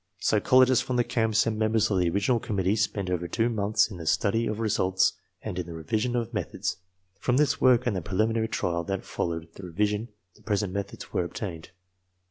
Psychologists from the camps and members of the original committee spent over two months in the study of results and in the revision of methods. From this work and the preliminary trials that followed the revision, the present methods were ob tained.